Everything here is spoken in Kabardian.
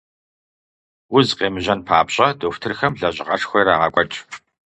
Уз къемыжьэн папщӀэ, дохутырхэм лэжьыгъэшхуэ ирагъэкӀуэкӀ.